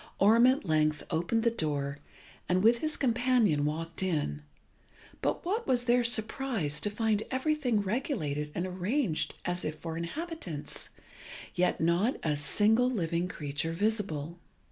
Orm at length opened the door, and with his companion walked in; but what was their surprise to find everything regulated and arranged as if for inhabitants, yet not a single living creature visible.